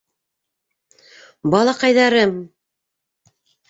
- Балаҡайҙарым!